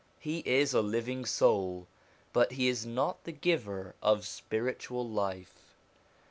He is a living soul, but he is not the giver of spiritual life.